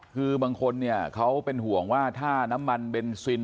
คือบางคนเนี่ยเขาเป็นห่วงว่าถ้าน้ำมันเบนซิน